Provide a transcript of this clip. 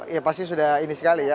ya pasti sudah ini sekali ya